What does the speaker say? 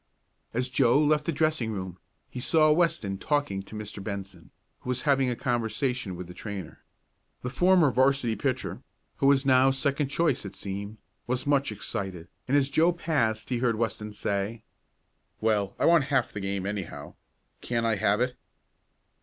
As Joe left the dressing room, he saw Weston talking to Mr. Benson, who was having a conversation with the trainer. The former 'varsity pitcher who was now second choice it seemed was much excited, and as Joe passed he heard Weston say: "Well, I want half the game, anyhow. Can't I have it?"